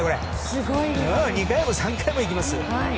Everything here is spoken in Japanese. ２回も３回も行きます。